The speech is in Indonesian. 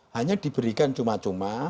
hanya diberikan cuma cuma